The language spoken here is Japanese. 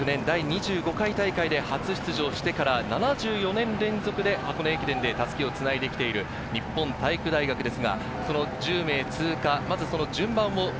１９４９年、第２５回大会で初出場してから７４年連続で箱根駅伝で襷をつないで来ている日本体育大学です。